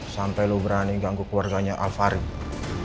sampai lo berani ganggu keluarganya alvarin